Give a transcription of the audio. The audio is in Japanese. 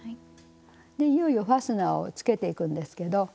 でいよいよファスナーをつけていくんですけど。